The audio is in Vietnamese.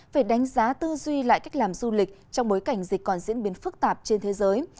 phải đánh giá tư duy lại cách làm du lịch trong bối cảnh dịch còn diễn biến phức tạp trên thế giới